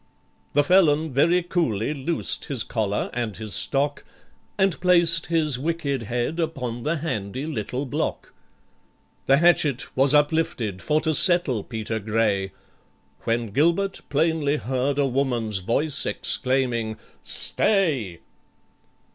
The felon very coolly loosed his collar and his stock, And placed his wicked head upon the handy little block. The hatchet was uplifted for to settle PETER GRAY, When GILBERT plainly heard a woman's voice exclaiming, "Stay!"